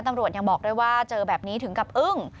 ตำรวจยังบอกด้วยว่าเจอแบบนี้ถึงกับอึ้ง